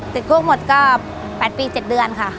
คุกหมดก็๘ปี๗เดือนค่ะ